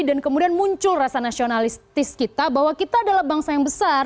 dan kemudian muncul rasa nasionalistis kita bahwa kita adalah bangsa yang besar